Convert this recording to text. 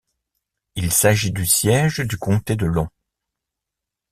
Il s'agit du siège du comté de Long.